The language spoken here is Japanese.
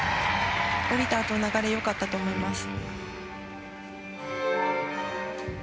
降りたあとの流れが良かったと思います。